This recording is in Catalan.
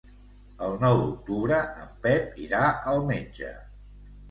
El nou d'octubre en Pep irà al metge.